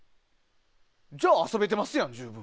じゃあ遊べてますやん。